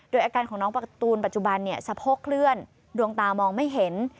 อาการของน้องปากตูนปัจจุบันสะโพกเคลื่อนดวงตามองไม่เห็น